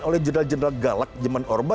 oleh jenderal jenderal galak jeman orba